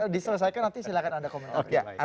diselesaikan nanti silahkan anda komentar